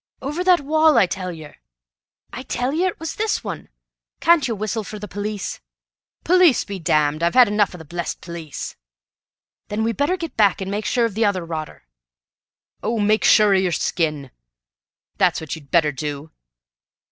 "Over THAT wall, I tell yer!" "I tell you it was this one. Can't you whistle for the police?" "Police be damned! I've had enough of the blessed police." "Then we'd better get back and make sure of the other rotter." "Oh, make sure o' yer skin. That's what you'd better do.